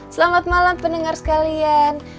selamat malam pendengar sekalian